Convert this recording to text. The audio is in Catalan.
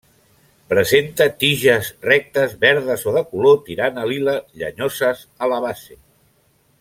Presenta tiges rectes verdes o de color tirant a lila, llenyoses a la base.